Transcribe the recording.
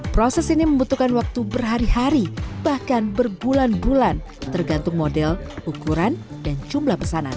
proses ini membutuhkan waktu berhari hari bahkan berbulan bulan tergantung model ukuran dan jumlah pesanan